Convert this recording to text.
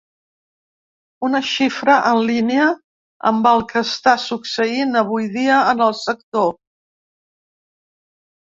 Una xifra en línia amb el que està succeint avui dia en el sector.